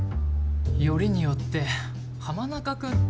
よりによって浜中君って。